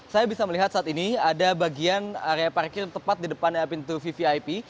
saya bisa melihat saat ini ada bagian area parkir tepat di depan pintu vvip